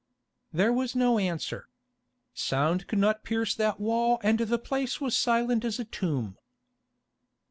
There was no answer. Sound could not pierce that wall and the place was silent as a tomb.